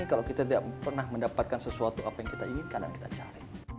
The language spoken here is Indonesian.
kalau kita tidak pernah mendapatkan sesuatu apa yang kita inginkan dan kita cari